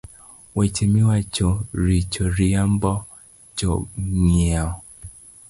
Weche miwacho richo riembo jong’iewo